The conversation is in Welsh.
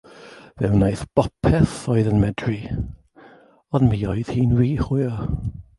Fe wnaeth bopeth oedd yn medru, ond mi oedd hi'n rhy hwyr.